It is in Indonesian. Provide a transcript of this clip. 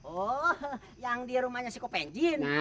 oh yang dirumahnya si kopenjin